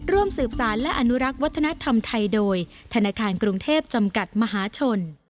ร่วมสืบสารและอนุรักษ์วัฒนธรรมไทยโดยธนาคารกรุงเทพจำกัดมหาชน